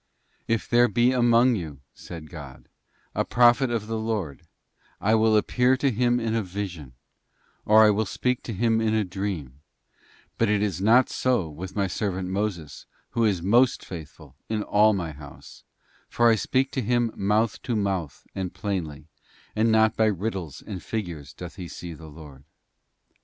'If there be among you,' said God, 'a prophet of the Lord, I will appear to him in a vision, or I will speak to him in a dream; but it is not so with My servant Moses who is most faithful in all My house, for I speak to him mouth to mouth and plainly, and not by riddles and figures doth he see the Lord.